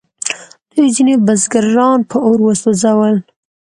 دوی ځینې بزګران په اور وسوځول.